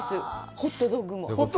ホットドッグも。